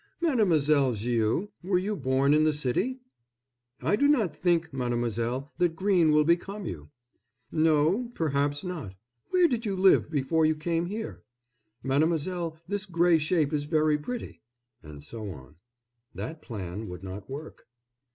"Mademoiselle Viau, were you born in the city?" "I do not think, Mademoiselle, that green will become you." "No, perhaps not. Where did you live before you came here?" "Mademoiselle, this gray shape is very pretty." And so on. That plan would not work.